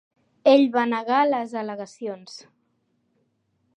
Ell va negar les al·legacions.